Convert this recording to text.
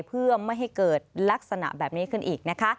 เพื่อไม่ให้เกิดลักษณะแบบนี้ขึ้นอีกนะคะ